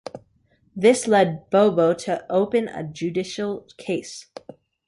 This led Bobo to open a judicial case.